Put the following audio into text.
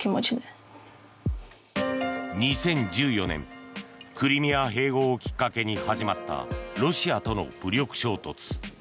２０１４年クリミア併合をきっかけに始まったロシアとの武力衝突。